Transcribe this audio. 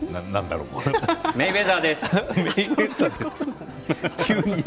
メイウェザーです。